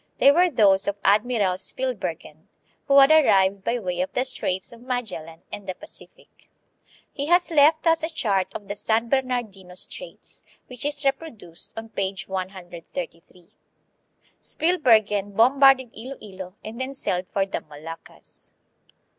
They were those of Admiral Spilbergen, who had arrived by way of the Straits of Magellan and the Pacific. He has left us a chart of the San Bernardino Straits, which is reproduced on page 133. Spilbergen bombarded Iloilo and then sailed for the Moluccas.